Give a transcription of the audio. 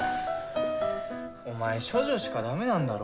お前処女しかだめなんだろ？